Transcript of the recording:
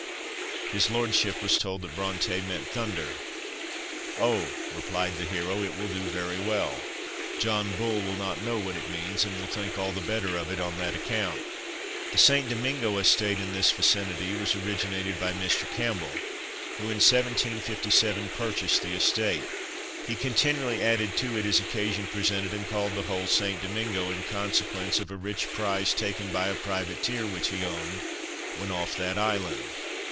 His lordship was told that "Bronte" meant "thunder." "Oh," replied the hero, "it will do very well; John Bull will not know what it means, and will think all the better of it on that account." The St. Domingo Estate, in this vicinity, was originated by Mr. Campbell, who in 1757 purchased the estate. He continually added to it, as occasion presented, and called the whole "St. Domingo," in consequence of a rich prize taken by a privateer which he owned when off that island.